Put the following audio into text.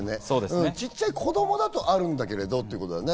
ちっちゃい子供だとあるんだけどってことだね。